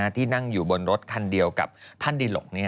ที่นั่งอยู่บนรถคันเดียวกับท่านดิหลก